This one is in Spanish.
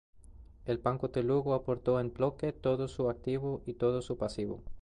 El Banco de Lugo aportó en bloque todo su activo y todo su pasivo.